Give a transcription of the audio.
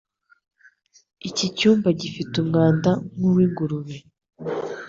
Iki cyumba gifite umwanda nku wingurube.